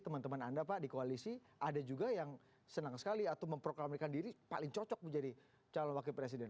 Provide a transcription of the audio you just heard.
teman teman anda pak di koalisi ada juga yang senang sekali atau memproklamirkan diri paling cocok menjadi calon wakil presiden